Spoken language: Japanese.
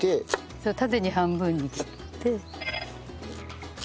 それを縦に半分に切って。